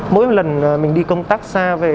mỗi lần mình đi công tác xa về